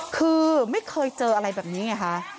คือไม่เคยเจออะไรแบบนี้ไงคะ